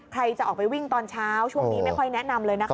ใครจะออกไปวิ่งตอนเช้าช่วงนี้ไม่ค่อยแนะนำเลยนะคะ